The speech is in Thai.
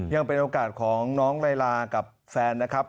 ยังเป็นโอกาสของน้องไลลากับแฟนนะครับ